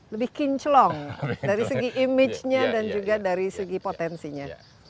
lebih kinclong dari segi image nya dan juga dari segi potensinya